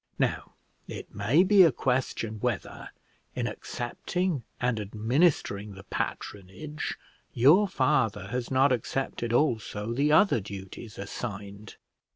Now, it may be a question whether, in accepting and administering the patronage, your father has not accepted also the other duties assigned.